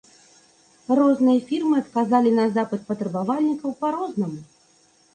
Розныя фірмы адказалі на запыт патрабавальнікаў па рознаму.